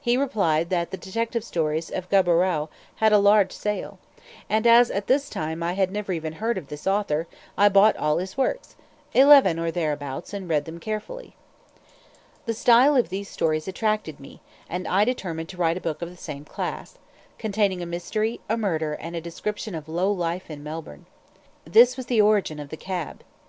He replied that the detective stories of Gaboriau had a large sale; and as, at this time, I had never even heard of this author, I bought all his works eleven or thereabouts and read them carefully. The style of these stories attracted me, and I determined to write a book of the same class; containing a mystery, a murder, and a description of low life in Melbourne. This was the origin of the "Cab."